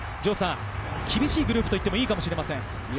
厳しいグループと言ってもいいかもしれません。